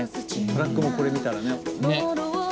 トラックもこれ見たらね。